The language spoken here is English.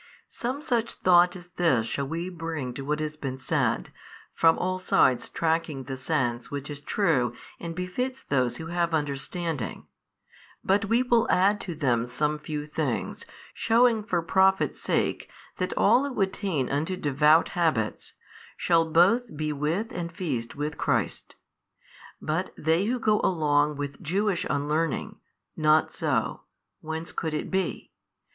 Some such thought as this shall we bring to what has been said, from all sides tracking the sense which is true and befits those who have understanding. But we will add to them some few things, shewing for profit's sake that all who attain unto devout habits, shall both be with and feast with Christ: but they who go along with Jewish |541 unlearning, not so (whence could it be?)